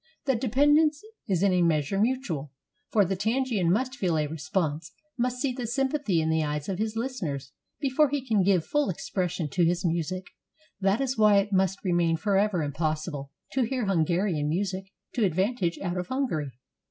The dependence is in a meas ure mutual, for the Tzigane must feel a response, must see the sympathy in the eyes of his listeners, before he can give full expression to his music. That is why it must remain forever impossible to hear Hungarian music to advantage out of Hungary.